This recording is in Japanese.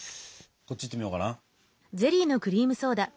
こっちいってみようかな。